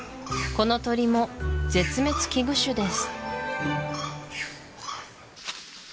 この鳥も絶滅危惧種です